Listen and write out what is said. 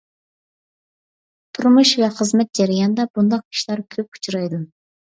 تۇرمۇش ۋە خىزمەت جەريانىدا بۇنداق ئىشلار كۆپ ئۇچرايدۇ.